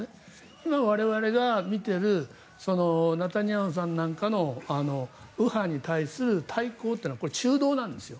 今、我々が見ているネタニヤフさんなんかの右派に対する対抗というのはこれは中道なんですよ。